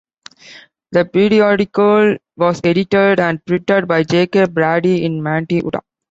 The periodical was edited and printed by J. K. Braddy in Manti, Utah.